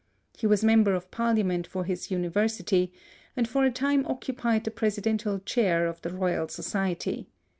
He was member of parliament for his University, and for a time occupied the presidential chair of the Royal Society.